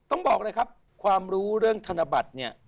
ต้องบอกเลยครับความรู้เรื่องธนบัตรเนี่ย